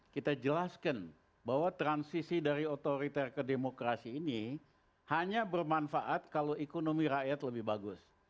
kita jelaskan bahwa transisi dari otoriter ke demokrasi ini hanya bermanfaat kalau ekonomi rakyat lebih bagus